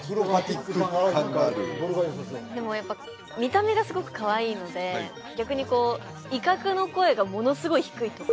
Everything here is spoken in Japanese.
カンガルーでもやっぱ見た目がすごくかわいいので逆にこう威嚇の声がものすごい低いとか？